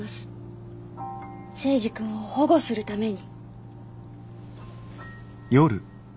征二君を保護するために。